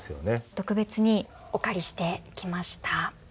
特別にお借りしてきました。